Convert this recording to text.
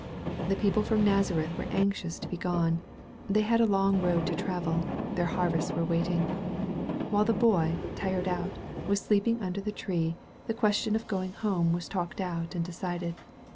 The people from Nazareth were anxious to be gone — ^they had a long road to travel — ^their harvests were waiting. While the Boy, tired out, was sleep ing under the tree, the question of going home was talked out and decided.